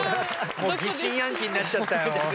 もう疑心暗鬼になっちゃったよ。